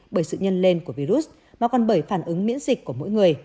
bởi sự nhân lên của virus mà còn bởi phản ứng miễn dịch của mỗi người